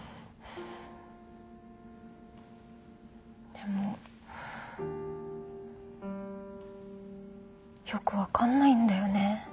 でもよくわかんないんだよね。